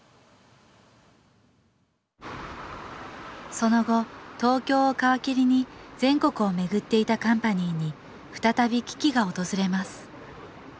その後東京を皮切りに全国を巡っていたカンパニーに再び危機が訪れます。